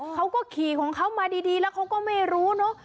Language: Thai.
เขาก็ขี่ของเขามาดีแล้วเขาก็ไม่รู้เนอะ